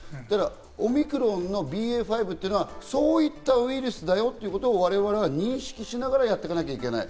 オミクロンのＢＡ．５というのはそういったウイルスだよということを我々は認識しながらやっていかなきゃいけない。